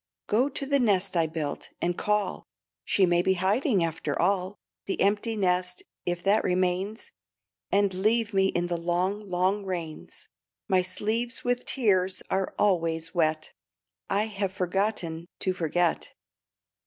Go to the nest I built, and call, She may be hiding after all, The empty nest, if that remains, And leave me in the long, long rains. My sleeves with tears are always wet, I have forgotten to forget.